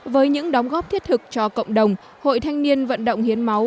với những đóng góp thiết thực cho cộng đồng hội thanh niên vận động hiến máu